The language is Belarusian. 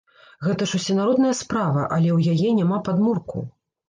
Гэта ж усенародная справа, але ў яе няма падмурку.